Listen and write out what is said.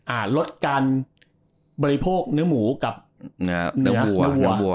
ลดการบริโภคเนื้อหมูกับเนื้อวัว